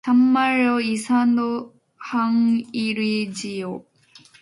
참말로 이상도 한 일이지요.